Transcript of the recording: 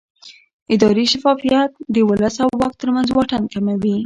اداري شفافیت د ولس او واک ترمنځ واټن کموي